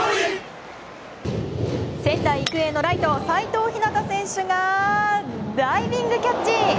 仙台育英のライト齋藤陽選手がダイビングキャッチ！